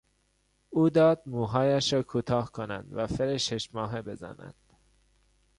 او داد موهایش را کوتاه کنند و فر شش ماهه بزنند.